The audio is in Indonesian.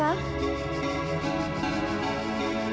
hati hati di dalam